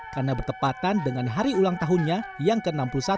karena bertepatan dengan hari ulang tahunnya yang ke enam puluh satu